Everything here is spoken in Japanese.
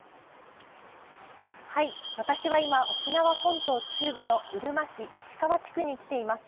私は今、沖縄本島中部のうるま市石川地区に来ています。